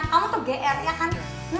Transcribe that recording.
kamu tuh gr ya kan